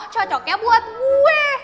cocoknya buat gue